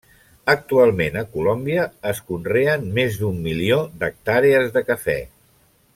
Actualment a Colòmbia es conreen més d'un milió d'hectàrees de cafè.